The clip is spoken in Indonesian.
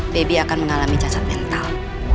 baby akan mengalami cacat mental